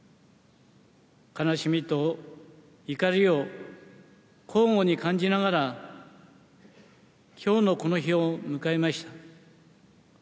悲しみと怒りを交互に感じながら、きょうのこの日を迎えました。